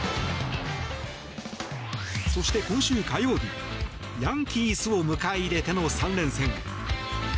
そして今週火曜日ヤンキースを迎え入れての３連戦。